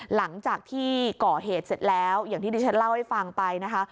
หลังจากที่ก่อเหตุเสร็จแล้วอย่างที่ดิฉันเล่าให้ฟังไปนะคะ